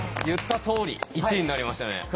言ったとおり１位になりましたね。